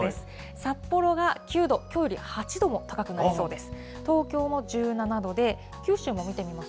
札幌が９度、きょうより８度も高くなりそうです。